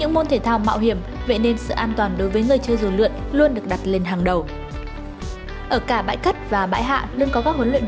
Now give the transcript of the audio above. sau khi đã kiểm tra an toàn thiết bị việc tiếp theo là chạy cất cánh